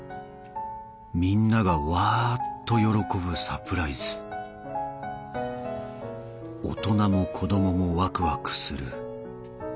みんながわっと喜ぶサプライズ大人も子供もワクワクする。